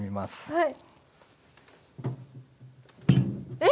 はい。